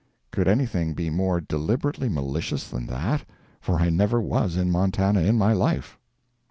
Could anything be more deliberately malicious than that? For I never was in Montana in my life.